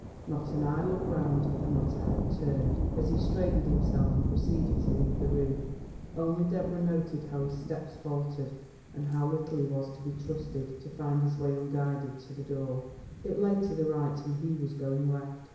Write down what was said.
Not an eye looked round and not a head turned as he straightened himself and proceeded to leave the room. Only Deborah noted how his steps faltered and how little he was to be trusted to find his way unguided to the door. It lay to the right and he was going left.